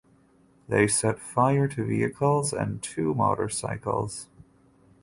They set fire to vehicle and two motorcycles.